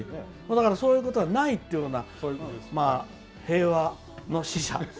だから、そういうことはないっていうのが平和の使者。